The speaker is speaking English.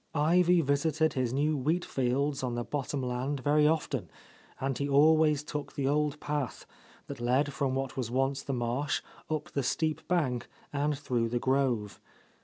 Ivy visited his new wheat fields on the bottom land very often ; and he always took the old path, that led from what was once the marsh, up the steep bank and through the grove.